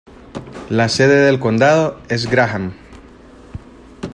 La sede del condado es Graham.